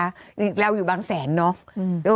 เราอยู่บางแสนเนอะ